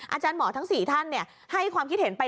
อาจารย์หมอทั้ง๔ท่านให้ความคิดเห็นไป